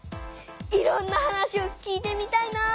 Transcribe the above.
いろんな話を聞いてみたいなぁ。